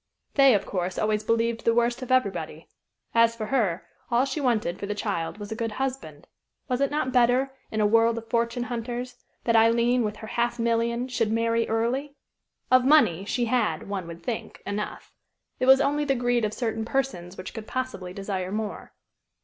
They, of course, always believed the worst of everybody. As for her, all she wanted for the child was a good husband. Was it not better, in a world of fortune hunters, that Aileen, with her half million, should marry early? Of money, she had, one would think, enough. It was only the greed of certain persons which could possibly desire more.